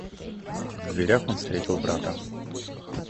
В дверях он встретил брата.